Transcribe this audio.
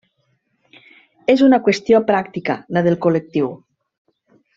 És una qüestió pràctica la del col·lectiu.